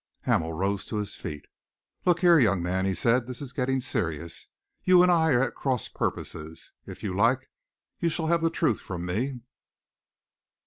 Hamel rose to his feet. "Look here, young man," he said, "this is getting serious. You and I are at cross purposes. If you like, you shall have the truth from me."